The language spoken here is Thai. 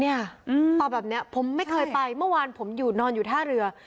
เนี่ยอืมต่อแบบเนี้ยผมไม่เคยไปเมื่อวานผมอยู่นอนอยู่ท่าเรือ